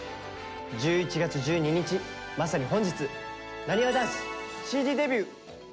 １１月１２日まさに本日なにわ男子ＣＤデビュー！